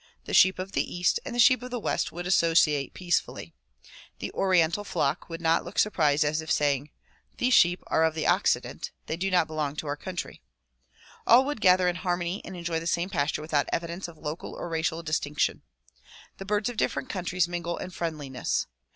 The sheep of the east and the sheep of the west would associate peacefully. The oriental flock would not look surprised as if saying '' These are sheep of the Occident ; they do not belong to our country." All would gather in harmony and enjoy the same pasture without evidence of local or racial distinc tion. The birds of different countries mingle in friendliness.